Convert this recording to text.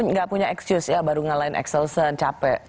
oni gak punya excuse ya baru ngalahin excelsior capek